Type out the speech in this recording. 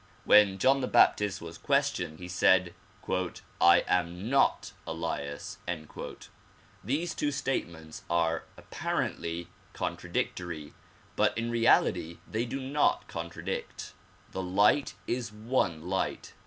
When John the Baptist was questioned, he said '* I am not Elias. '' These two statements are apparently contradictory but in reality they do not contradict. The light is one light.